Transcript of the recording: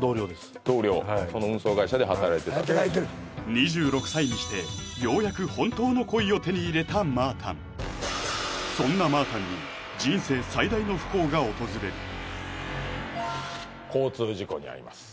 同僚その運送会社で働いてた働いてる２６歳にしてようやく本当の恋を手に入れたまあたんそんなまあたんに人生最大の不幸が訪れる交通事故に遭います